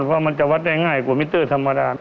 เพราะมันจะวัดได้ง่ายกว่ามิเตอร์ธรรมดา